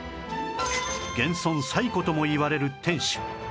現存最古ともいわれる天守